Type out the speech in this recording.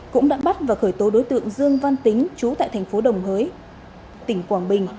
cũng đã bắt và khởi tố đối tượng dương văn tính chú tại thành phố đồng hới tỉnh quảng bình